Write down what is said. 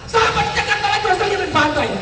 sampai jakarta lagi westerling dipatai